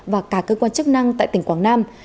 và cả cơ quan chức năng tại tỉnh quảng nam